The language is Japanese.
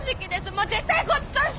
もう絶対ごちそうしません！